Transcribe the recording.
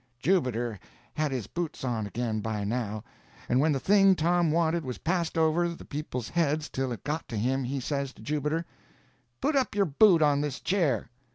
Jubiter had his boots on again, by now, and when the thing Tom wanted was passed over the people's heads till it got to him, he says to Jubiter: "Put up your foot on this chair."